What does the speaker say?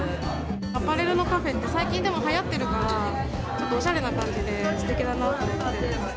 アパレルのカフェって、最近、でもはやってるから、おしゃれな感じですてきだなと。